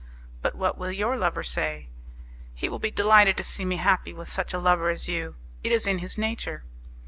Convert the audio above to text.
"But what will your lover say?" "He will be delighted to see me happy with such a lover as you. It is in his nature."